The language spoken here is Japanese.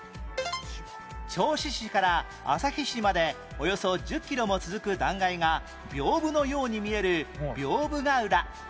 銚子市から旭市までおよそ１０キロも続く断崖が屏風のように見える屏風ケ浦